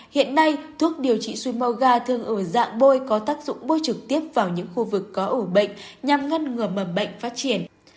hiện nay thuốc điều trị suối màu gà thường ở dạng bôi có tác dụng bôi trực tiếp vào những khu vực có ủ bệnh nhằm ngăn ngừa mầm bệnh phát triển